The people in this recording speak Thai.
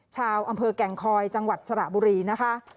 ชาวอำเภอแก่งคอยจังหวัดสระบุรีนะคะ